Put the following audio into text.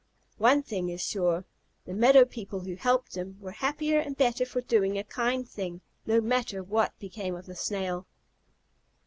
One thing is sure: the meadow people who helped him were happier and better for doing a kind thing, no matter what became of the Snail.